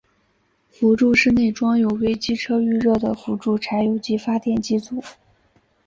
辅助室内装有为机车预热的辅助柴油机发电机组。